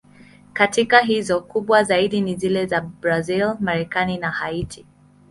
Katika hizo, kubwa zaidi ni zile za Brazil, Marekani na Haiti.